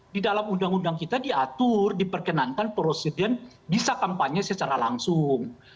di dalam undang undang kita diatur diperkenankan presiden bisa kampanye secara langsung